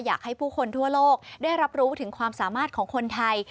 อยากให้ผู้คนทั่วโลกได้รับรู้ถึงความสามารถของคนไทย